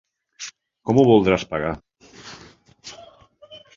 Com ho voldràs pagar?